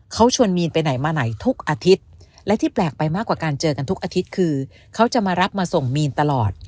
เขาชวนมีนไปไหนมาไหนทุกอาทิตย์และที่แปลกไปมากกว่าการเจอกันทุกอาทิตย์คือเขาจะมารับมาส่งมีนตลอด